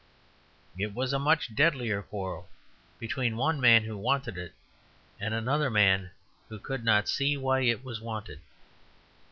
It was the much deadlier quarrel between one man who wanted it and another man who could not see why it was wanted.